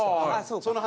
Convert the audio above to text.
その話？